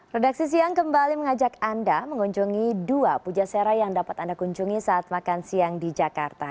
redaksi siang kembali mengajak anda mengunjungi dua puja serai yang dapat anda kunjungi saat makan siang di jakarta